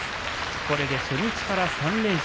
これで初日から３連勝。